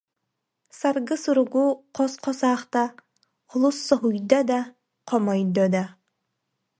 Саргы суругу хос-хос аахта, олус соһуйда да, хомойдо да